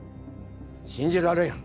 信じられん